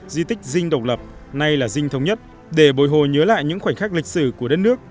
di tích dinh độc lập nay là dinh thống nhất để bồi hồi nhớ lại những khoảnh khắc lịch sử của đất nước